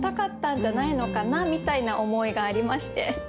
みたいな思いがありまして。